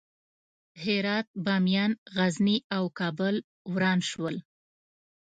هرات، بامیان، غزني او کابل وران شول.